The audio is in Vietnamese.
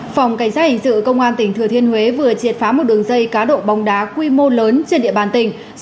phòng cảnh sát hình sự công an tỉnh thừa thiên huế vừa triệt phá một đường dây cá độ bóng đá quy mô lớn trên địa bàn tỉnh